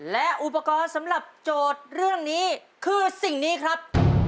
และอุปกรณ์สำหรับโจทย์เรื่องนี้คือสิ่งนี้ครับ